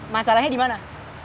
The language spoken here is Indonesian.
masalahnya di mana